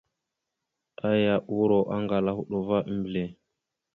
Aya uuro aŋgala a hoɗ va a mbelle.